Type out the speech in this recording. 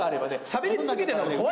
しゃべり続けてるのが怖いよ。